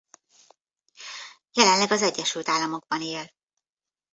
Jelenleg az Egyesült Államokban él.